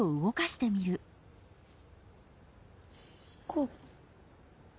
こう？